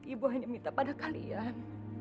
ibu hanya minta pada kalian